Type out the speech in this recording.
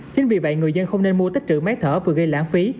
chính vì vậy người dân không nên mua tích trữ máy thở vừa gây lãng phí